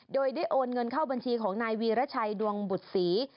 โดยได้โอนเงินเข้าบัญชีของนายวีรชัยดวงบุตรศรี